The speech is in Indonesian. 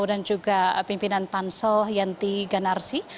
dan juga pimpinan pansel yanti ganarsi